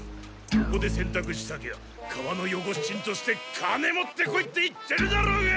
ここでせんたくしたきゃ川のよごし賃としてカネ持ってこいって言ってるだろうが！